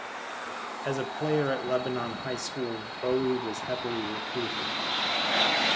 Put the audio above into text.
As a player at Lebanon High School, Bowie was heavily recruited.